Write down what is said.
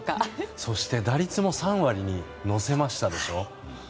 そして、打率も３割に乗せましたでしょ。